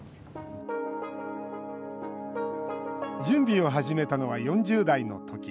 準備を始めたのは４０代の時。